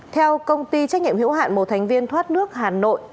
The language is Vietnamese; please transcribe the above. theo công ty trách nhiệm hữu hạn một thành viên thoát nước hà nội